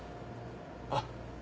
あっ。